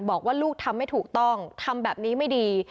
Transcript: บอกว่าลูกทำไม่ถูกต้องทำแบบนี้ไม่ดี